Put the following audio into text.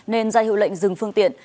nên ra hiệu lệnh dừng phương tiện